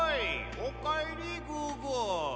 おかえりグーグー！